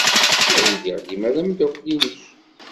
Ad iliɣ dima d ameddakel-nnek.